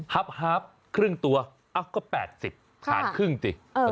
ครับครับครึ่งตัวอ้าวก็แปดสิบค่ะผ่านครึ่งสิเออ